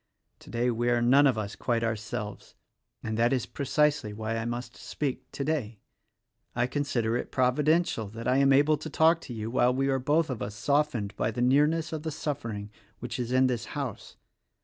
Today, we are none of us quite ourselves, and that is precisely why I must speak today. I consider it providential that I am able to talk to you while we are both of us softened by the near ness of the suffering which is in this house.